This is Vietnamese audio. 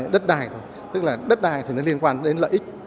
đất đai thôi tức là đất đai thì nó liên quan đến lợi ích